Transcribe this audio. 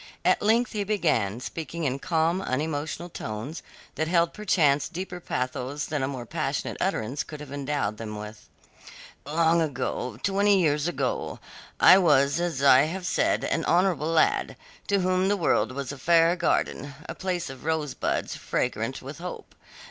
At length he began, speaking in calm, unemotional tones that held perchance deeper pathos than a more passionate utterance could have endowed them with: "Long ago twenty years ago I was, as I have said, an honourable lad, to whom the world was a fair garden, a place of rosebuds, fragrant with hope.